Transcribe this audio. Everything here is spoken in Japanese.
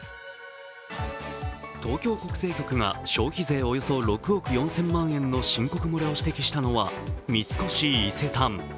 東京国税局が消費税およそ６億４０００万円の申告漏れを指摘したのは三越伊勢丹。